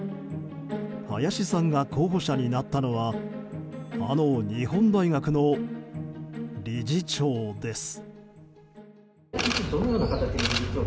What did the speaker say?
林さんが候補者になったのはあの日本大学の理事長です。